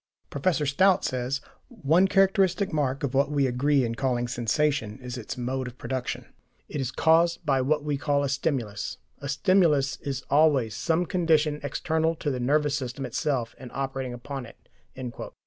Professor Stout (loc. cit., p. 127) says: "One characteristic mark of what we agree in calling sensation is its mode of production. It is caused by what we call a STIMULUS. A stimulus is always some condition external to the nervous system itself and operating upon it."